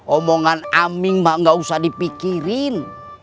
omongan aming pak tidak usah dipikirkan